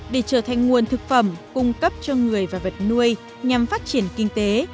để trở thành nguồn thực phẩm cung cấp cho người và vật nuôi nhằm phát triển kinh tế